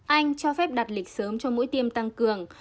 anh cho phép đặt lịch sớm cho mũi tiêm tăng cường